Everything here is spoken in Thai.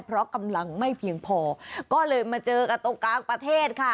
เพราะกำลังไม่เพียงพอก็เลยมาเจอกันตรงกลางประเทศค่ะ